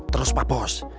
terus pak bos